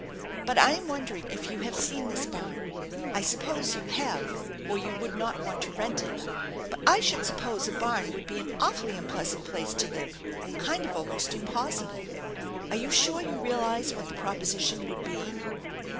But I am wondering if you have seen this barn, I suppose you have, or you would not want to rent it; but I should suppose a barn would be an awfully unpleasant place to live, kind of almost impossible. Are you sure you realize what the proposition would be